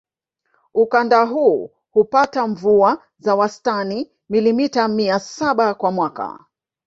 Ukanda huu hupata mvua za wastani milimita mia saba kwa mwaka